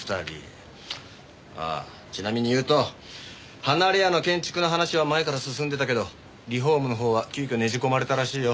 ああちなみに言うと離れ家の建築の話は前から進んでたけどリフォームのほうは急遽ねじ込まれたらしいよ。